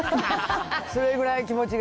それぐらい気持ちが。